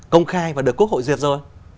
công khai và được quốc hội duyệt rồi